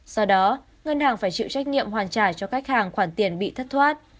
sau đó ngân hàng phải chịu trách nhiệm hoàn trải cho khách hàng khoản tiền bị thất thoát